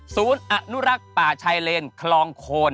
ศูนย์อนุรักษ์ป่าชายเลนคลองโคน